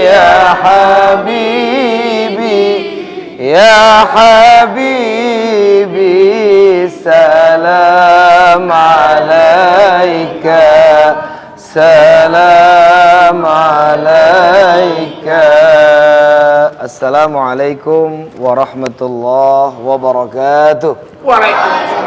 ya habib ya habib salam alaika salam alaika assalamualaikum warahmatullah wabarakatuh